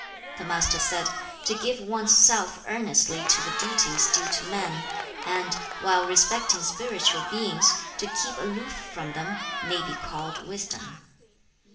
The Master said, 'To give one's self earnestly to the duties due to men, and, while respecting spiritual beings, to keep aloof from them, may be called wisdom.'